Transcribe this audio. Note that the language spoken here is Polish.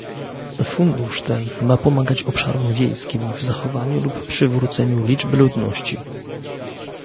Fundusz ten ma pomagać obszarom wiejskim w zachowaniu lub przywróceniu liczby ludności